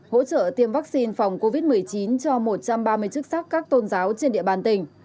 hỗ trợ tiêm vaccine phòng covid một mươi chín cho một trăm ba mươi chức sắc các tôn giáo trên địa bàn tỉnh